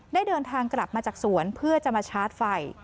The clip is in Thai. ได้เดินทางกลับมาจากสวนเพื่อจะมาชาร์จไฟ